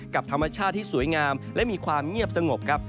กับธรรมชาติที่สวยงามและมีความเงียบสงบครับ